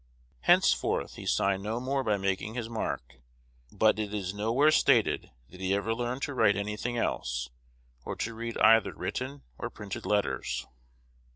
Henceforth he signed no more by making his mark; but it is nowhere stated that he ever learned to write any thing else, or to read either written or printed letters.